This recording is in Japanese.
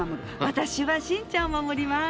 私は新ちゃんを守ります。